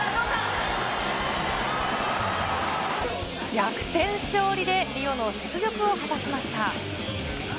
逆転勝利で、リオの雪辱を果たしました。